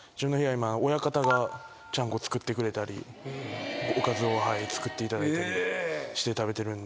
今親方がちゃんこ作ってくれたりおかずを作っていただいたりして食べてるんで。